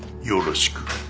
よろしく。